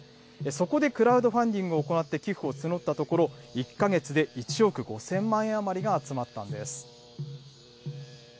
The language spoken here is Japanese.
そこでクラウドファンディングを行って寄付を募ったところ、１か月で１億５０００万円余りが集まったんです。